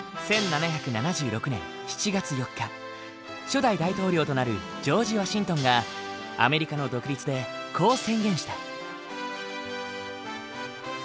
初代大統領となるジョージ・ワシントンがアメリカの独立でこう宣言した。